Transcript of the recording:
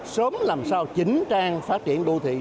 sớm làm sao chỉnh trang phát triển đô thị